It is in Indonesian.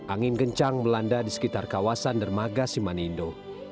angin kencang melanda di sekitar kawasan dermaga simanindo